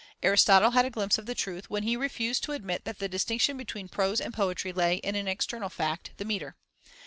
Aristotle had a glimpse of the truth, when he refused to admit that the distinction between prose and poetry lay in an external fact, the metre.